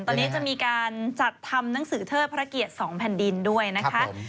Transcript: ตอนนี้จะมีการจัดทำหนังสือเทิดพระเกียรติ๒แผ่นดินด้วยนะคะ